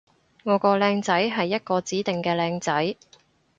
我個靚仔係一個指定嘅靚仔